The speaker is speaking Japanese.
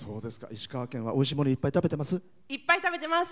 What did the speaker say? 石川県でおいしいものいっぱい食べてます？